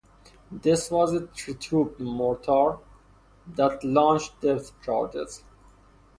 This was a three-tubed mortar that launched depth charges.